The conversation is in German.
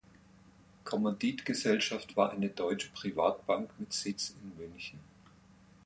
Kommanditgesellschaft war eine deutsche Privatbank mit Sitz in München.